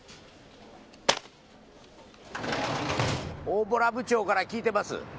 大洞部長から聞いてます。